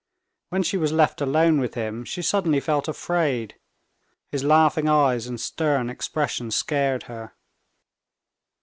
When she was left alone with him, she suddenly felt afraid; his laughing eyes and stern expression scared her.